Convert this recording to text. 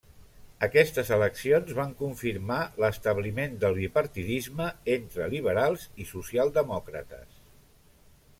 Aquestes eleccions van confirmar l'establiment del bipartidisme entre liberals i socialdemòcrates.